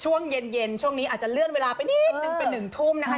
ช่วงช่วงนี้อาจจะเลื่อนเวลาไปนิดหนึ่งเป็นหนึ่งทุ่มนะคะ